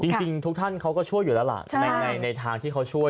จริงทุกท่านเขาก็ช่วยอยู่แล้วล่ะในทางที่เขาช่วย